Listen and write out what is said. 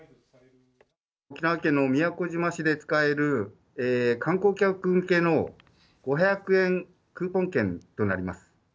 沖縄県の宮古島市で使える、観光客向けの５００円クーポン券となります。